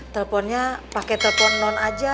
teleponnya pake telpon non aja